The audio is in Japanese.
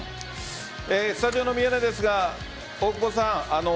スタジオの宮根ですが大久保さん。